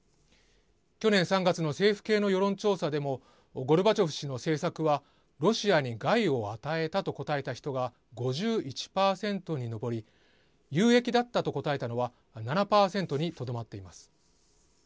去年３月の政府系の世論調査でもゴルバチョフ氏の政策はロシアに害を与えたと答えた人が５１％に上り有益だったと答えたのは７％にとどまっています。